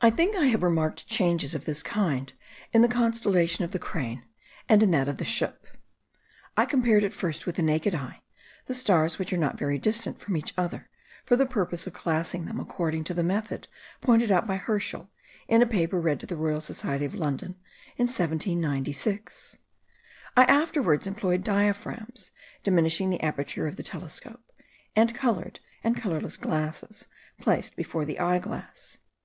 I think I have remarked changes of this kind in the constellation of the Crane and in that of the Ship. I compared, at first with the naked eye, the stars which are not very distant from each other, for the purpose of classing them according to the method pointed out by Herschel, in a paper read to the Royal Society of London in 1796. I afterwards employed diaphragms diminishing the aperture of the telescope, and coloured and colourless glasses placed before the eye glass.